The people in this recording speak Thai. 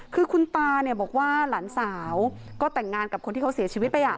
คือคุณตาเนี่ยบอกว่าหลานสาวก็แต่งงานกับคนที่เขาเสียชีวิตไป